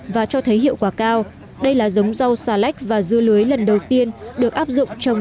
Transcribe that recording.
và cho thấy hiệu quả cao đây là giống rau xà lách và dưa lưới lần đầu tiên được áp dụng trong